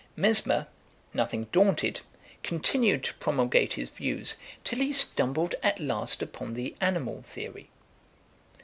Mesmer, nothing daunted, continued to promulgate his views till he stumbled at last upon the animal theory.